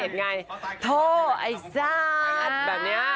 สัมพิทัล